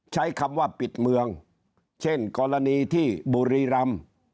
ใช้คำว่าปิดเมืองเช่นกรณีที่บุรีรำ